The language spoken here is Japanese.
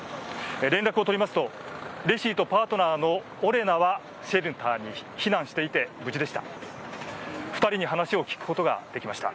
連絡を取りますとレシィとパートナーのオレナはシェルターに避難していて無事でした。